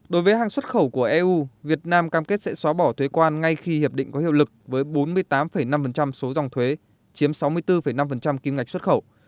đối với hàng xuất khẩu của eu việt nam cam kết sẽ xóa bỏ thuế quan ngay khi hiệp định có hiệu lực với bốn mươi tám năm số dòng thuế chiếm sáu mươi bốn năm kim ngạch xuất khẩu